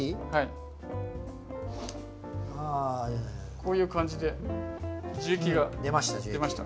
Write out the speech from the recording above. こういう感じで樹液が出ました。